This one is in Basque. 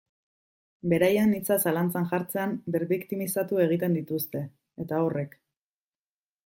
Beraien hitza zalantzan jartzean birbiktimizatu egiten dituzte, eta horrek.